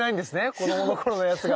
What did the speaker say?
子どもの頃のやつが。